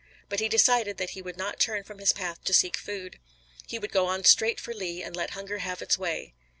But he decided that he would not turn from his path to seek food. He would go on straight for Lee and let hunger have its way.